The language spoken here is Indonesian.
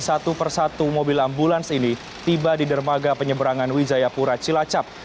satu persatu mobil ambulans ini tiba di dermaga penyeberangan wijayapura cilacap